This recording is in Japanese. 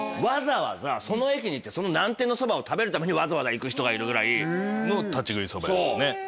わざわざその駅に行ってその南天のそばを食べるためにわざわざ行く人がいるぐらいの立ち食いそば屋ですね